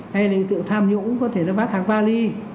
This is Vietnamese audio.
hay là tự tham nhũng có thể bắt hàng vali